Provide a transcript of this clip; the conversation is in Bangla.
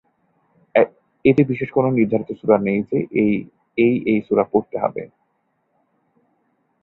এতে বিশেষ কোনো নির্ধারিত সূরা নেই যে এই এই সূরা পড়তে হবে।